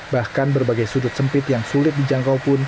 bahkan berbagai sudut sempit yang sulit dijangkau pun